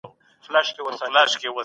د مدرسو هدف يوازې د مذهب خپراوی و.